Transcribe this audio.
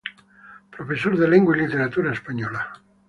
Profesor de lengua y literatura española.